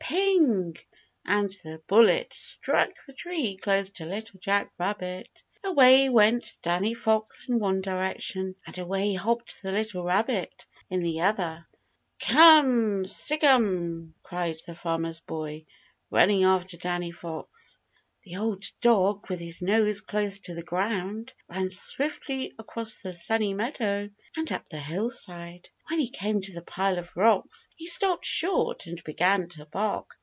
Ping! and the bullet struck the tree close to Little Jack Rabbit. Away went Danny Fox in one direction, and away hopped the little rabbit in the other. "Come, Sic'em!" cried the Farmer's Boy, running after Danny Fox. The old dog, with his nose close to the ground, ran swiftly across the Sunny Meadow and up the hillside. When he came to the pile of rocks he stopped short and began to bark.